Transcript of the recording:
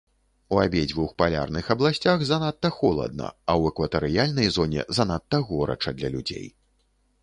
У абедзвюх палярных абласцях занадта холадна, а ў экватарыяльнай зоне занадта горача для людзей.